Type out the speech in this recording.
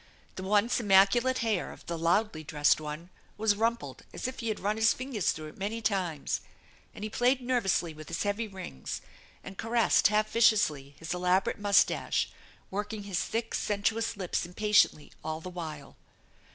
The once immaculate hair of the loudly dressed one was rumpled as if he had run his fingers through it many times, and he played nervously with his heavy rings, and caressed half viciously his elaborate mus* tache, working his thick, sensuous lips impatiently all the while.